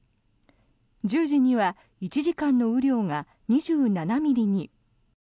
１０時には１時間の雨量が２７ミリに。